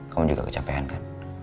kamu juga kecapean kan